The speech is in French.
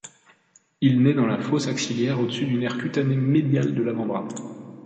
Il naît dans la fosse axillaire, au-dessus du nerf cutané médial de l'avant-bras.